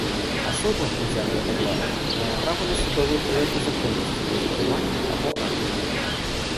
Асоба, узятая пад варту, мае права на судовую праверку законнасці яе затрымання або арышту.